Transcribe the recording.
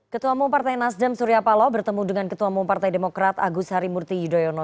ketua mumpartai nasdem surya palo bertemu dengan ketua mumpartai demokrat agus harimurti yudhoyono